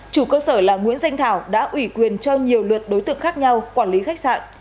chủ cơ sở là nguyễn danh thảo đã ủy quyền cho nhiều lượt đối tượng khác nhau quản lý khách sạn